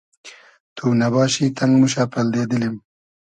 تو نئباشی تئنگ موشۂ پئلدې دیلیم